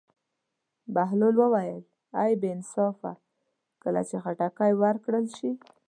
بهلول وویل: ای بې انصافه کله چې خټکی وکرل شي.